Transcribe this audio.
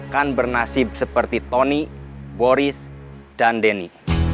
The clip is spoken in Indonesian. akan bernasib seperti tony boris dan denny